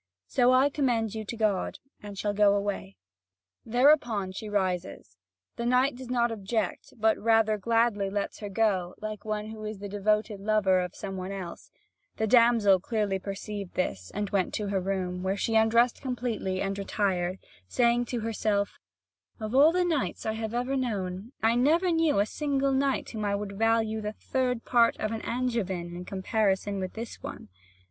So I commend you to God; and shall go away." Thereupon she arises: the knight does not object, but rather gladly lets her go, like one who is the devoted lover of some one else; the damsel clearly perceived this, and went to her room, where she undressed completely and retired, saying to herself: "Of all the knights I have ever known, I never knew a single knight whom I would value the third part of an angevin in comparison with this one.